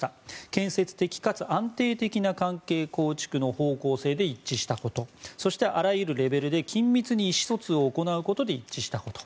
建設的かつ安定的な関係構築の方向性で一致したことそして、あらゆるレベルで緊密に意思疎通を行うことで一致したこと。